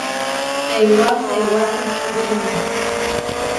Pegroá seewá tehpúčane.